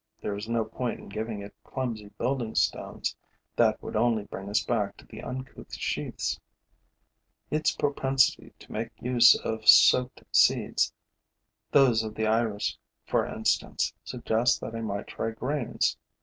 There is no point in giving it clumsy building stones; that would only bring us back to the uncouth sheaths. Its propensity to make use of soaked seeds, those of the iris, for instance, suggests that I might try grains.